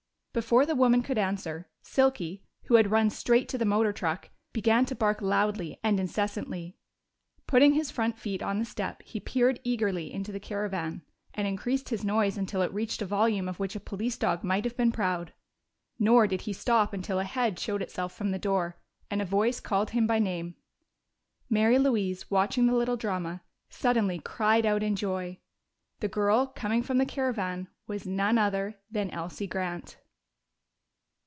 Before the woman could answer, Silky, who had run straight to the motor truck, began to bark loudly and incessantly. Putting his front feet on the step, he peered eagerly into the caravan, and increased his noise until it reached a volume of which a police dog might have been proud. Nor did he stop until a head showed itself from the door and a voice called him by name. Mary Louise, watching the little drama, suddenly cried out in joy. The girl coming from the caravan was none other than Elsie Grant!